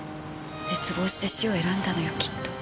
絶望して死を選んだのよきっと。